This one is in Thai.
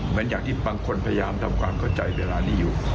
เหมือนอย่างที่บางคนพยายามทำความเข้าใจเวลานี้อยู่